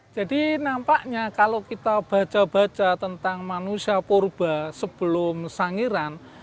jadi nampaknya kalau kita baca baca tentang manusia purba sebelum sangiran